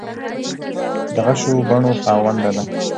د غشو بڼو خاونده ده